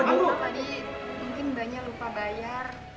mbak tadi mungkin mbaknya lupa bayar